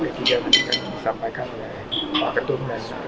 nanti akan disampaikan oleh pak ketum dan kantor kantor bpn